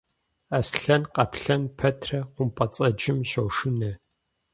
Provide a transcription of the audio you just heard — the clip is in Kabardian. Аслъэн-къаплъэн пэтрэ хъумпӏэцӏэджым щощынэ.